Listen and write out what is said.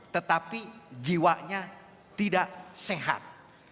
tetapi jiwanya tidak sehat